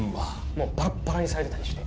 もうバラッバラにされてたりして。